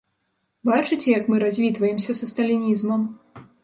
Бачыце, як мы развітваемся са сталінізмам?